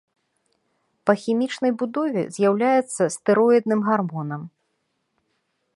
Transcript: Па хімічнай будове з'яўляецца стэроідным гармонам.